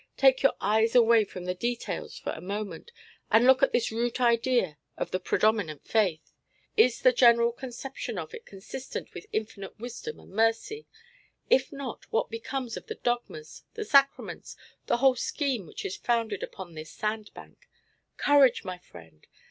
Take your eyes away from the details for a moment, and look at this root idea of the predominant Faith. Is the general conception of it consistent with infinite wisdom and mercy? If not, what becomes of the dogmas, the sacraments, the whole scheme which is founded upon this sand bank? Courage, my friend!